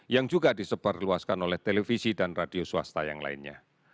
yang juga disebarluaskan oleh televisi dan radio swasta yang lainnya